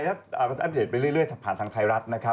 ก็อัปเดตไปเรื่อยผ่านทางไทยรัฐนะครับ